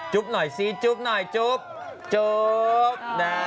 จุ๊บหน่อยซิจุ๊บหน่อยจุ๊บ